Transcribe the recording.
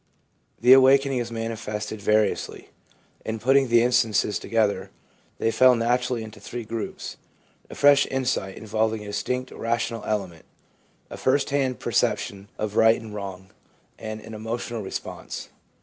The awakening is manifested variously. In putting the instances together, they fell naturally into three groups — a fresh insight involving a distinct rational element ; a first hand perception of right and wrong ; and an emotional response.